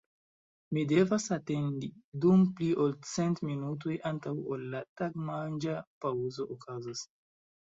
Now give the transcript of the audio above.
Mi devas atendi dum pli ol cent minutoj antaŭ ol la tagmanĝa paŭzo okazos.